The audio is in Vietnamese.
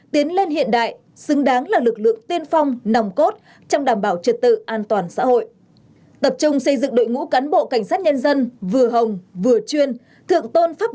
tiến lên hiện đại xứng đáng là lực lượng tiên phong nòng cốt trong đảm bảo trật tự an toàn xã hội